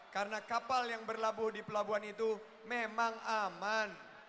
karena kapal yang berlabuh di pelabuhan itu memang aman